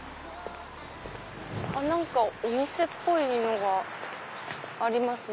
何かお店っぽいのがありますね。